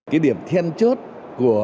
cái điểm thiên chốt của